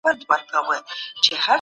زه ستا تصوير ګورمه